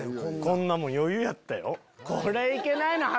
こんなもん余裕やったよ。